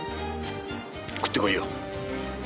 食ってこいよ。